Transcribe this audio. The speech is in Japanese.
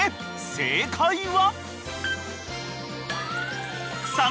正解は］